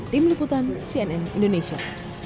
tim liputan cnn indonesia